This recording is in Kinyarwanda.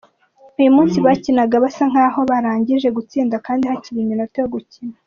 Uyu munsi bakinaga basa nk’aho barangije gutsinda kandi hakiri iminota yo gukina.